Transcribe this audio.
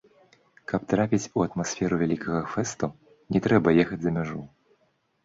Каб трапіць у атмасферу вялікага фэсту, не трэба ехаць за мяжу!